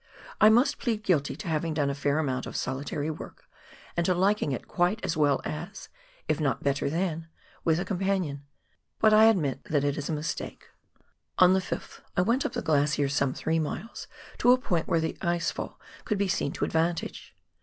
I must plead guilty to having done a fair amount of solitary work, and to liking it quite as well as — if not better than — with a companion, but I admit that it is a mistake. On the 5th I went up the glacier some three miles, to a point where the ice fall covld be seen to advantage.